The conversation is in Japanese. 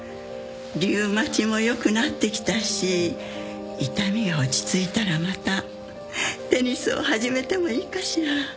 リウマチも良くなってきたし痛みが落ち着いたらまたテニスを始めてもいいかしら？